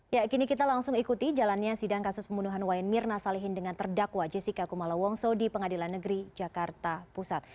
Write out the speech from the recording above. ya kini kita langsung ikuti jalannya sidang kasus pembunuhan wayan mirna salihin dengan terdakwa jessica kumala wongso di pengadilan negeri jakarta pusat